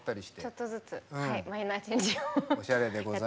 ちょっとずつマイナーチェンジをやってます。